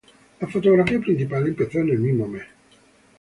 La fotografía principal empezó en el mismo mes.